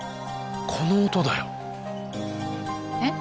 この音だよ。えっ？